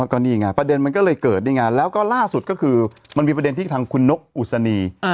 ก็นี่ไงประเด็นมันก็เลยเกิดนี่ไงแล้วก็ล่าสุดก็คือมันมีประเด็นที่ทางคุณนกอุศนี